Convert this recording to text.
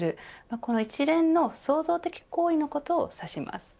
この一連の創造的行為のことを指します。